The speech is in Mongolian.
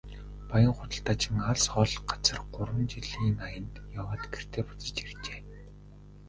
Баян худалдаачин алс хол газар гурван жилийн аянд яваад гэртээ буцаж иржээ.